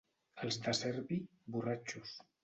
Els de Cerbi, borratxos.